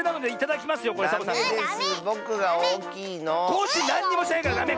コッシーなんにもしてないからダメ！